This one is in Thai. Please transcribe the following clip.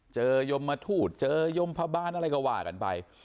เจอยมมทูตเจอยมพระบ้านอะไรก็ว่ากันไป